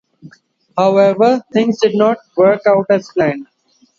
However, things did not work out as planned.